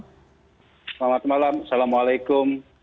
selamat malam assalamualaikum